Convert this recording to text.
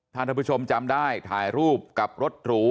ถ้าท่านผู้ชมจำได้ถ่ายรูปกับรถหรู